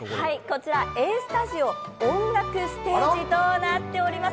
こちらＡスタジオ音楽ステージとなっております。